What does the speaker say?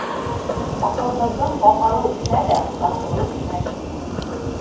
Аҡылһыҙҙың һаҡалы үҫһә лә, аҡылы үҫмәҫ.